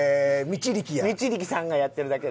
道力さんがやってるだけで。